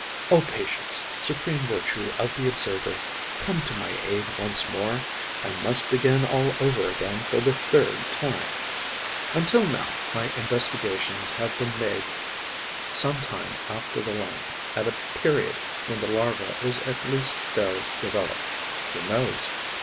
O patience, supreme virtue of the observer, come to my aid once more! I must begin all over again for the third time. Until now, my investigations have been made some time after the laying, at a period when the larva is at least fairly developed. Who knows?